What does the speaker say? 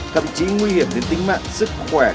thậm chí nguy hiểm đến tính mạng sức khỏe